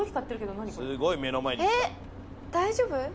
大丈夫？